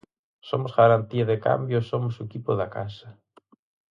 Somos garantía de cambio e somos o equipo da casa.